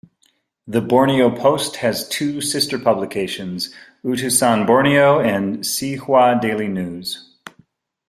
The Borneo Post has two sister publications; "Utusan Borneo" and "See Hua Daily News".